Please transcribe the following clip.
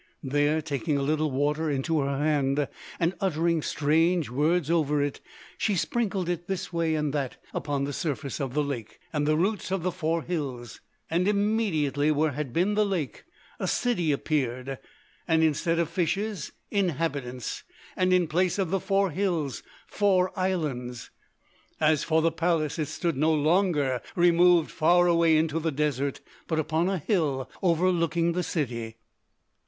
There taking a little water into her hand, and uttering strange words over it, she sprinkled it this way and that upon the surface of the lake and the roots of the four hills, and immediately where had been the lake a city appeared, and instead of fishes inhabitants, and in place of the four hills four islands. As for the palace it stood no longer removed far away into the desert but upon a hill overlooking the city.